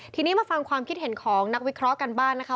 ทีนี้มาฟังความคิดเห็นของนักวิเคราะห์กันบ้างนะคะ